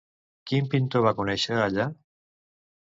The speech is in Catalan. Quin pintor va conèixer allà?